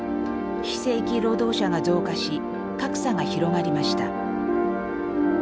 非正規労働者が増加し格差が広がりました。